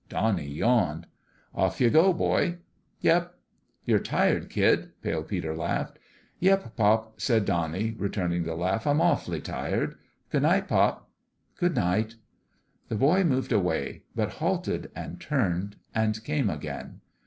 Donnie yawned. " Off you go, boy !" "Yep." " You're tired, kid," Pale Peter laughed. "Yep, pop," said Donnie, returning the laugh. "I'm awful tired. Good night, pop." " Good night." The boy moved away but halted and turned and came again.